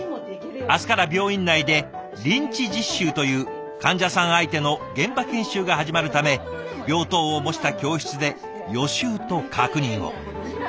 明日から病院内で臨地実習という患者さん相手の現場研修が始まるため病棟を模した教室で予習と確認を。